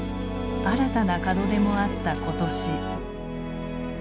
新たな門出もあった今年。